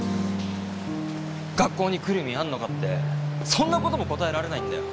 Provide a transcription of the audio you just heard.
学校に来る意味あんのかってそんなことも答えられないんだよ？